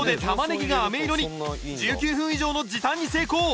１９分以上の時短に成功！